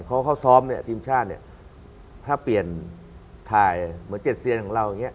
เขาส้อมเนี่ยทีมชาติถ้าเปลี่ยนถ่าย๗เซียนของเรา